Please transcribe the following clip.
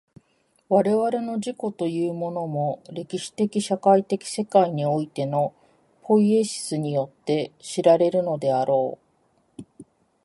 我々の自己というものも、歴史的社会的世界においてのポイエシスによって知られるのであろう。